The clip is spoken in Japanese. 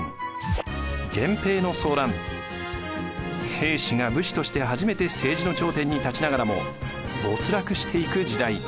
平氏が武士として初めて政治の頂点に立ちながらも没落していく時代。